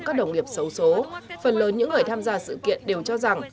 các đồng nghiệp xấu số phần lớn những người tham gia sự kiện đều cho rằng